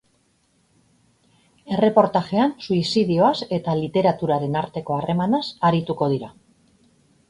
Erreportajean, suizidioaz eta literaturaren arteko harremanaz arituko dira.